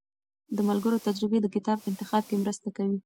د ملګرو تجربې د کتاب انتخاب کې مرسته کوي.